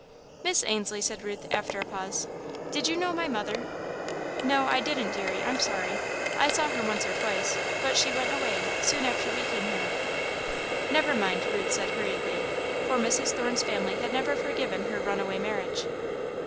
"Miss Ainslie," said Ruth, after a pause, "did you know my mother?" "No, I didn't, deary I'm sorry. I saw her once or twice, but she went away, soon after we came here." "Never mind," Ruth said, hurriedly, for Mrs. Thorne's family had never forgiven her runaway marriage.